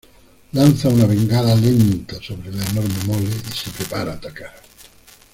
Lanza una bengala lenta sobre la enorme mole y se prepara a atacar.